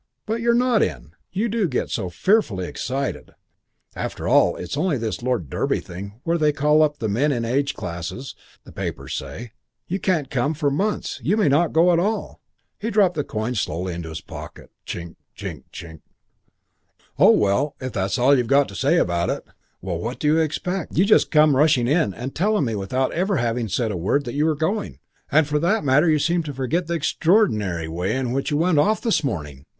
"But you're not in. You do get so fearfully excited. After all, it's only this Lord Derby thing where they call the men up in age classes, the papers say. Yours can't come for months. You may not go at all." He dropped the coins slowly into his pocket, chink, chink, chink. "Oh, well, if that's all you've got to say about it." "Well, what do you expect? You just come rushing in and telling me without ever having said a word that you were going. And for that matter you seem to forget the extraordinary way in which you went off this morning.